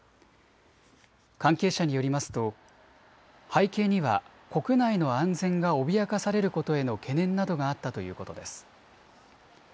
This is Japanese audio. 関係者によりますと背景には国内の安全が脅かされることへの懸念などがあったということです。